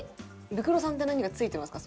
ブクロさんって何か付いてますか？